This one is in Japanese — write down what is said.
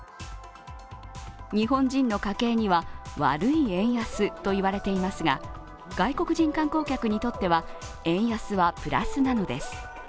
日本人の家計には悪い円安と言われていますが、外国人観光客にとっては円安はプラスなのです。